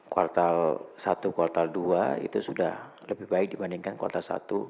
kuartal satu kuartal dua itu sudah lebih baik dibandingkan kuartal satu